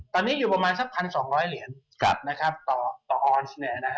ตอนนี้อยู่ประมาณสัก๑๒๐๐เหรียญต่อออนซ์